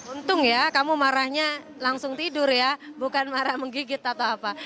untung ya kamu marahnya langsung tidur ya bukan marah menggigit atau apa